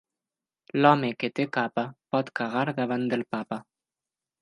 L'home que té capa pot cagar davant del Papa.